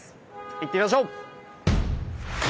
行ってみましょう！